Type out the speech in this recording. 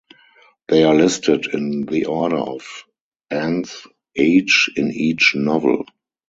They are listed in the order of Anne's age in each novel.